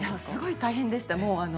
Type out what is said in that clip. すごい大変でした。